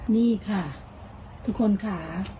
นี่ค่ะทุกคนค่ะ